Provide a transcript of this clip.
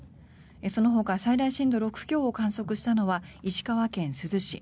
そのほか最大震度６強を観測したのは石川県珠洲市。